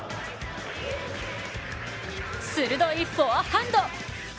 鋭いフォアハンド。